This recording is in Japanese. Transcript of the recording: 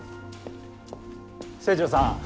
清張さん